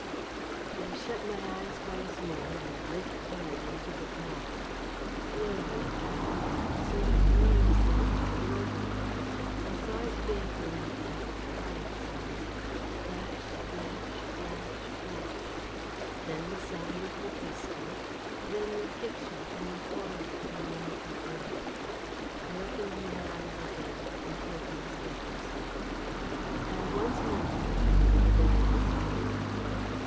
I shut my eyes once more, and looked hard into the past. Slowly, as I looked, a sort of dream seemed to come over me. I saw it vaguely now, or thought I saw it. Flash, flash, flash, flash. Then the sound of the pistol. Then the Picture, and the Horror, and the awful blank. I opened my eyes again, and told the Inspector so. "And once more," he went on, in a very insinuating voice.